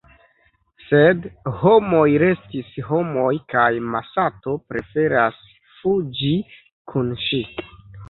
Sed “homoj restis homoj kaj Masato preferas fuĝi kun ŝi.